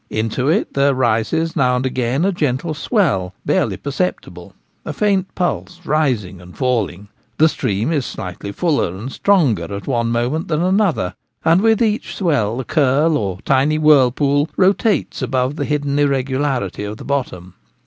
Into it there rises now and again a gentle swell — barely perceptible — a faint pulse rising and falling. The stream is slightly fuller and stronger at one moment than another ; and with each swell the curl, or tiny whirlpool, rotates Man and Dog Deliberate. 9 1 above the hidden irregularity of the bottom.